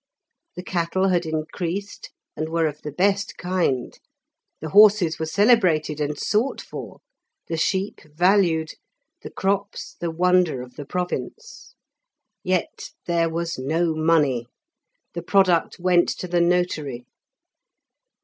The cattle had increased, and were of the best kind, the horses were celebrated and sought for, the sheep valued, the crops the wonder of the province. Yet there was no money; the product went to the notary.